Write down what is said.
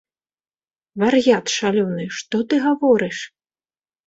Вар'ят шалёны, што ты гаворыш?